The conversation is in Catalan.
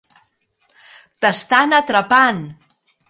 T'estan atrapant!